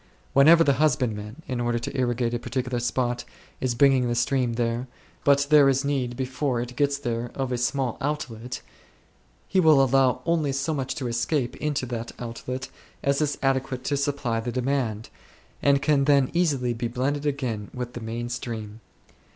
Whenever, the husbandman, in order to irrigate a particular spot, is bringing the stream thither, but there is need before it gets there of a small outlet, he will allow only so much to escape into that outlet as is adequate to supply the demand, and can then easily be blended again with the main stream.